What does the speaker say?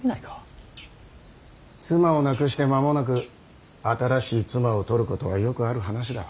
妻を亡くして間もなく新しい妻を取ることはよくある話だ。